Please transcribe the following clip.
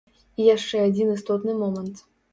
І яшчэ адзін істотны момант.